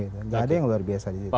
nggak ada yang luar biasa di indonesia